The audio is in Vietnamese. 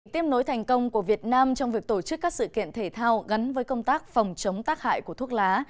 tiếp nối thành công của việt nam trong việc tổ chức các sự kiện thể thao gắn với công tác phòng chống tác hại của thuốc lá